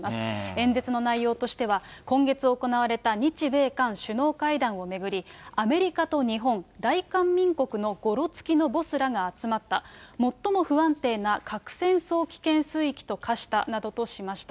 演説の内容としては、今月行われた日米韓首脳会談を巡り、アメリカと日本、大韓民国のごろつきのボスらが集まった、最も不安定な核戦争危険水域と化したなどとしました。